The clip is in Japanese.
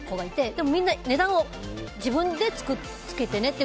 でも、みんな値段は自分でつけてねって。